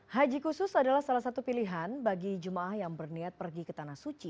haji khusus adalah salah satu pilihan bagi jemaah yang berniat pergi ke tanah suci